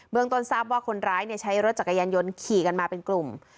เมืองต้นทราบว่าคนร้ายใช้รถจักรยานยนต์ขี่กันมาเป็นกลุ่ม